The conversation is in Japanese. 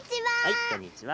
はいこんにちは。